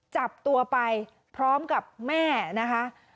จับตัวไปพร้อมกับแม่นะคะ